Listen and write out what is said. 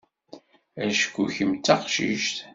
Acku kemm d taqcict.